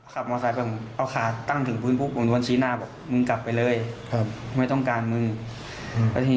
ขับมอเตอร์ไซค์ไปผมก็เอาคาตั้งถึงพื้นพรุ่งน่วนชี้หน้าฝ่างบอก